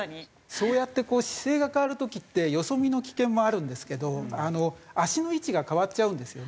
そうやってこう姿勢が変わる時ってよそ見の危険もあるんですけど足の位置が変わっちゃうんですよね若干。